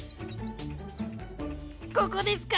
ここですか！？